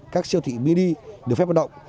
các siêu thị mini được phép hoạt động